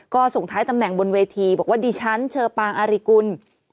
ก็ส่งท้ายตำแหน่งบนเวทีบอกว่าดิฉันเชอปางอาริกุล